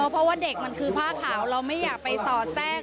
เพราะว่าเด็กมันคือผ้าขาวเราไม่อยากไปสอดแทรก